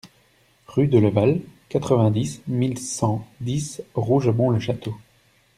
Rue de Leval, quatre-vingt-dix mille cent dix Rougemont-le-Château